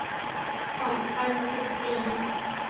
สองพันสิบสี่